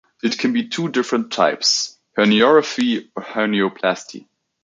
It can be of two different types: herniorrhaphy or hernioplasty.